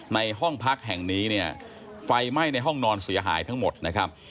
ในห้องพักแห่งนี้เนี่ยไฟไหม้ในห้องนอนเสียหายทั้งหมดนะครับ